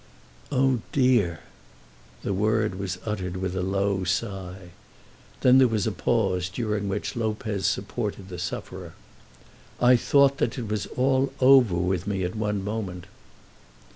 "Oh, dear!" The word was uttered with a low sigh. Then there was a pause, during which Lopez supported the sufferer. "I thought that it was all over with me at one moment."